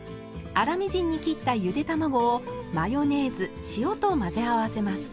粗みじんに切ったゆで卵をマヨネーズ塩と混ぜ合わせます。